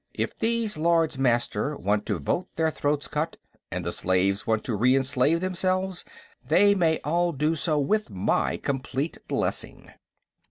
If these Lords Master want to vote their throats cut, and the slaves want to re enslave themselves, they may all do so with my complete blessing."